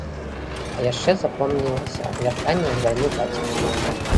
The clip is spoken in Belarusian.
А яшчэ запомнілася вяртанне з вайны бацькі.